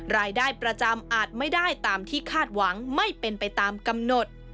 รายได้ประจำอาจไม่ได้ตามที่คาดหวังไม่เป็นไปตามกำหนด